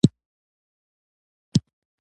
تیمورشاه نیت کړی وو چې ملاقات کوي.